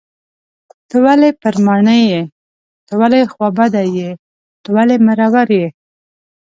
ته ولې پر ماڼي یې .ته ولې خوابدی یې .ته ولې مرور یې